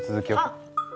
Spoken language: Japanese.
あっ！